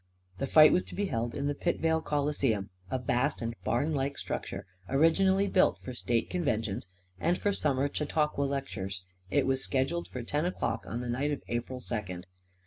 The fight was to be held in the Pitvale Coliseum, a vast and barnlike structure originally built for state conventions and for summer Chautauqua lectures. It was scheduled for ten o'clock on the night of April second.